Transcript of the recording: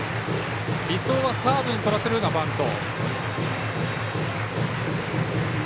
理想はサードにとらせるようなバント。